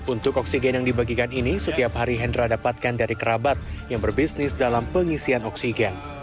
untuk oksigen yang dibagikan ini setiap hari hendra dapatkan dari kerabat yang berbisnis dalam pengisian oksigen